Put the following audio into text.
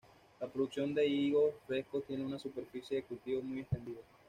La producción de higos frescos tiene una superficie de cultivo muy extendida.